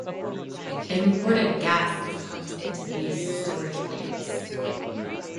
Imported gas is pumped into these storage plants.